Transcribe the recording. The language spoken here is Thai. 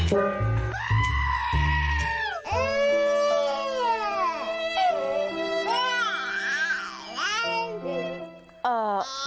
ว้าว